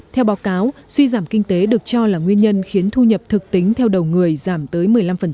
theo báo cáo suy giảm kinh tế được cho là nguyên nhân khiến thu nhập thực tính theo đầu người giảm tới một mươi năm